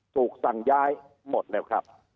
ถูกสั่งย้ายหมดแล้วครับ